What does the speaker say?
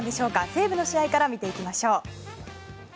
西武の試合から見ていきましょう。